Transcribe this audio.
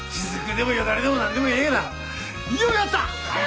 ようやった！